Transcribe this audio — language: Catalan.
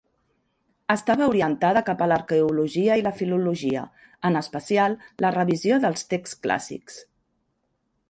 Estava orientada cap a l'arqueologia i la filologia, en especial la revisió dels texts clàssics.